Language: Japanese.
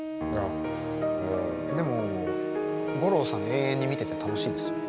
でも五郎さん永遠に見てて楽しいですよ。